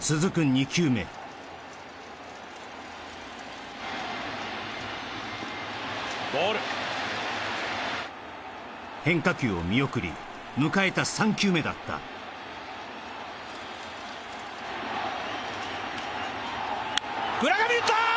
２球目ボール変化球を見送り迎えた３球目だった村上打ったー！